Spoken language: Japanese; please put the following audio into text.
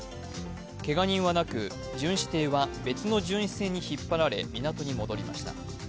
けが人はなく、巡視艇は別の巡視船に引っ張られ、港に戻りました。